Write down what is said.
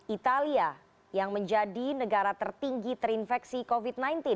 italia yang menjadi negara tertinggi terinfeksi covid sembilan belas